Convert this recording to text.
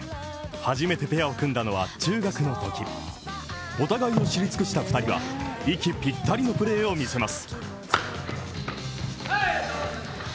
初めてペアを組んだのは中学のときお互いを知り尽くした２人は息ぴったりのプレーを見せます。